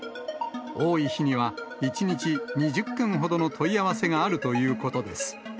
多い日には、１日２０件ほどの問い合わせがあるということです。